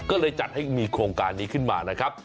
ก็เลยจัดให้มีโครงการนี้ขึ้นมานะครับ